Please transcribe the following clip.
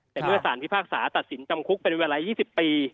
แต่เมื่อสารพิพากษาตัดสินจำคุกเป็นเวลา๒๐ปี